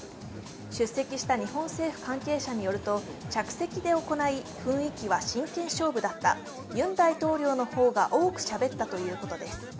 出席した日本政府関係者によると着席で行い、雰囲気は真剣勝負だった、ユン大統領の方が多くしゃべったということです。